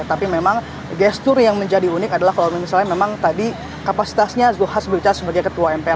tapi memang gestur yang menjadi unik adalah kalau misalnya memang tadi kapasitasnya zulkifli hasan bercaha sebagai ketua mpr